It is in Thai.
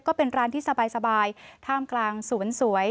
ก็เป็นร้านที่สบายท่ามกลางสวนสวย